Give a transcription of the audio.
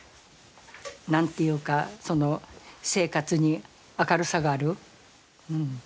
何て言うかその生活に明るさがあるうん。